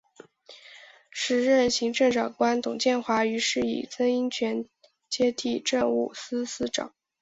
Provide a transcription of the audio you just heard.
时任行政长官董建华于是以曾荫权接替政务司司长。